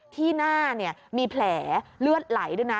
ที่หน้ามีแผลเลือดไหลด้วยนะ